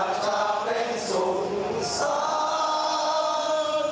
และยืนเป็นรูปเล็ก๙